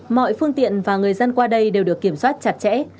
mọi phương tiện và người dân qua đây đều được kiểm soát chặt chẽ